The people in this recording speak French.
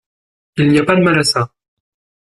Il n’y a pas de mal à ça.